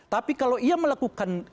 tapi kalau ia melakukan